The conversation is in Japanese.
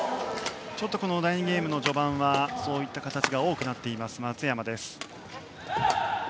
第２ゲームの序盤はそういった形が多くなっている松山。